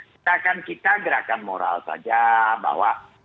kita kan kita gerakan moral saja bahwa